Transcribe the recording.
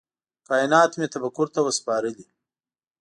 کائینات مي تفکر ته وه سپارلي